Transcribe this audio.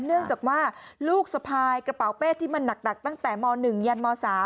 เนื่องจากว่าลูกสะพายกระเป๋าเป้ที่มันหนักตั้งแต่ม๑ยันม๓